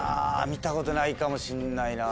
見たことないかもしんないな。